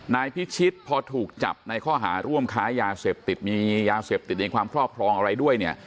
นายพิชิตพอถูกจับในข้อหาร่วมค้ายาเสพติดมียาเสพติดในความครอบครองอะไรด้วยเนี่ย